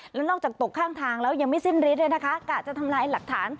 แล้วนอกจากตกข้างทางแล้วยังไม่สิ้นฤทธด้วยนะคะกะจะทำลายหลักฐาน